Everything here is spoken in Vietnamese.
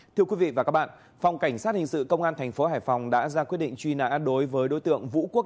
thưa quý vị và các bạn phòng cảnh sát hình sự công an thành phố hải phòng đã ra quyết định truy nã đối với đối tượng vũ quốc